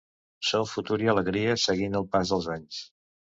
Som futur i alegria seguint el pas dels anys.